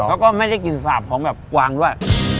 แล้วก็ไม่ได้กลิ่นสาบของแบบกวางด้วย